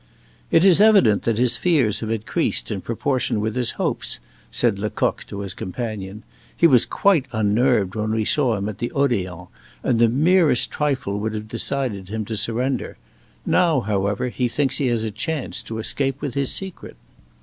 "It is evident that his fears have increased in proportion with his hopes," said Lecoq to his companion. "He was quite unnerved when we saw him at the Odeon, and the merest trifle would have decided him to surrender; now, however, he thinks he has a chance to escape with his secret."